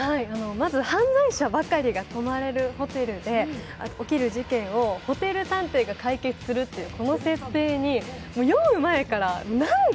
まず犯罪者ばかりが泊まれるホテルで起きる事件をホテル探偵が解決するというこの設定に読む前からなんだ！